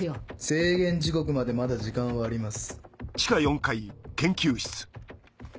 制限時刻までまだ時間はあります。